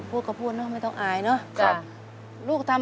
พูดกับพูดนะไม่ต้องอายนะ